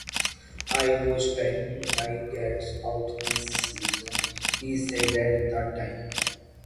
"I was trying my guts out this season", he said at the time.